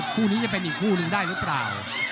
คู่นี้จะเป็นอีกคู่หนึ่งได้หรือเปล่า